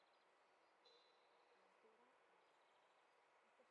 Matematikari eta asmatzaile ingelesak arku voltaikoaren egonkortasunari ekarpena egin zion.